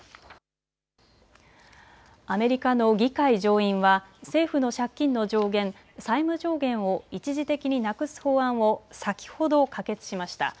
アメリカの議会上院は政府の借金の上限、債務上限を一時的になくす法案を先ほど可決しました。